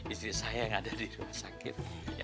istri saya yang ada di rumah sakit